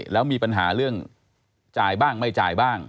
แล้วมีปัญหาเรื่องจ่ายบ้างไม่จ่ายบ้าง